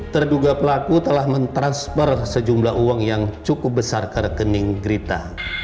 terduga pelaku telah mentransfer sejumlah uang yang cukup besar ke rekening grita